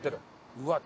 うわっ！